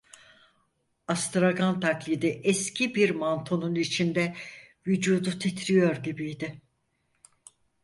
Astragan taklidi eski bir mantonun içinde vücudu titriyor gibiydi.